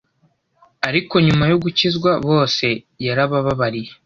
ariko nyuma yo gukizwa bose yarababariye